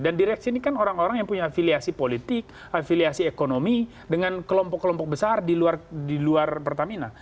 dan direksi ini kan orang orang yang punya afiliasi politik afiliasi ekonomi dengan kelompok kelompok besar di luar pertamina